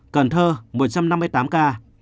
cần thơ một trăm năm mươi tám ca